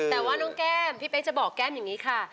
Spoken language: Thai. แต่ว่าน้องแก้มพี่เป๊กจะบอกแก้มอย่างนี้ค่ะ